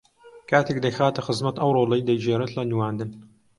کاتێک دەیخاتە خزمەت ئەو ڕۆڵەی دەیگێڕێت لە نواندن